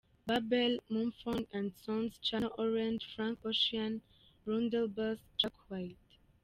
"Babel" -- Mumford & Sons "Channel Orange" -- Frank Ocean "Blunderbuss" -- Jack White.